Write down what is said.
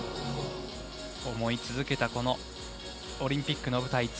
思い続けたオリンピックの舞台